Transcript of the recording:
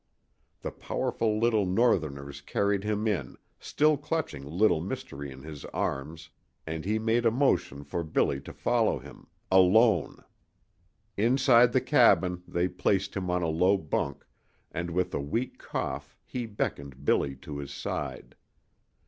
The powerful little northerners carried him in, still clutching Little Mystery in his arms, and he made a motion for Billy to follow him alone. Inside the cabin they placed him on a low bunk, and with a weak cough he beckoned Billy to his side.